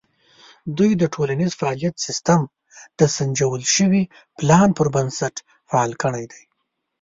دوی د ټولنیز فعالیت سیستم د سنجول شوي پلان پر بنسټ فعال کړی دی.